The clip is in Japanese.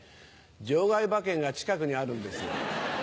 場外馬券が近くにあるんですよ。